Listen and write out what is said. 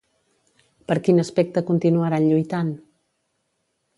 Per quin aspecte continuaran lluitant?